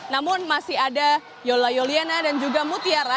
namun masih ada yola yoliana dan juga mutiara